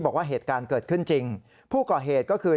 บอกว่าเหตุการณ์เกิดขึ้นจริงผู้ก่อเหตุก็คือ